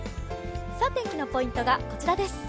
天気のポイントがこちらです。